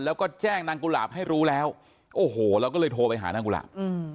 แล้วก็แจ้งนางกุหลาบให้รู้แล้วโอ้โหเราก็เลยโทรไปหานางกุหลาบ